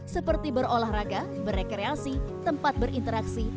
seperti berolahraga berekreasi tempat berinteraksi